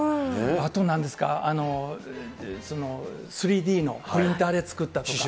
あとなんですか、３Ｄのプリンターで作ったとか。